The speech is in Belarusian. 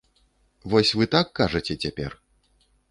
Вы вось так кажаце цяпер?